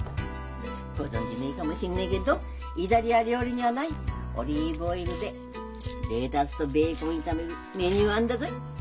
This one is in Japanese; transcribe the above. ご存じねえかもしんねえけっどイタリア料理にはないオリーブオイルでレタスとベーコン炒めるメニューがあんだぞい。